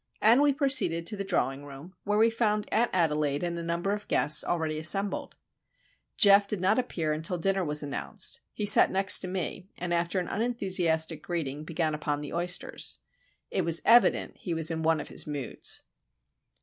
And we proceeded to the drawing room, where we found Aunt Adelaide and a number of guests already assembled. Geof did not appear till dinner was announced. He sat next me, and after an unenthusiastic greeting began upon the oysters. It was evident he was in one of his moods.